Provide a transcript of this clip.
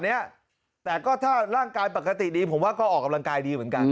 เนี้ยแต่ก็ถ้าร่างกายปกติดีผมว่าก็ออกกำลังกายดีเหมือนกัน